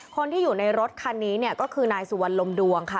คนที่อยู่ในรถคันนี้เนี่ยก็คือนายสุวรรณลมดวงค่ะ